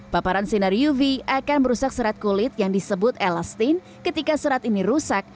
paparan sinar uv akan merusak serat kulit yang disebut elastin ketika serat ini rusak